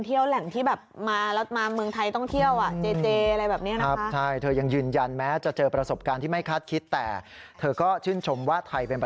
ที่เธอใส่ชุดไทย